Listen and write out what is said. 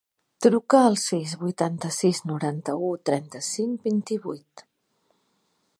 Truca al sis, vuitanta-sis, noranta-u, trenta-cinc, vint-i-vuit.